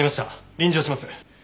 臨場します。